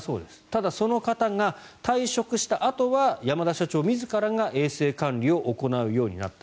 ただ、その方が退職したあとは山田社長自らが衛生管理を行うようになった。